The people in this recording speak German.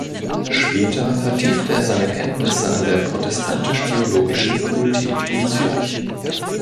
Später vertiefte er seine Kenntnisse an der Protestantisch-Theologischen Fakultät in Zürich.